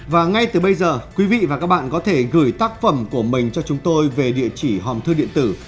và ngay từ bây giờ quý vị và các bạn có thể gửi tác phẩm của mình cho chúng tôi về địa chỉ hòm thư điện tử